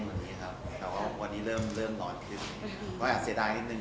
วันนี้ครับแต่ว่าวันนี้เริ่มเริ่มหนอนขึ้นก็อาจเสียดายนิดนึง